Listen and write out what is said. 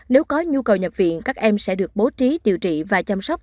nếu có nhu cầu nhập viện các em sẽ được bố trí điều trị và chăm sóc